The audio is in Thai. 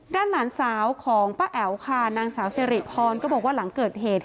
ด้านหลานสาวของป้าแอ๋วค่ะนางสาวสิริพรก็บอกว่าหลังเกิดเหตุ